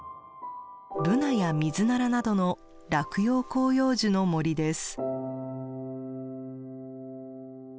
ブナやミズナラなどの落葉広葉樹の森です。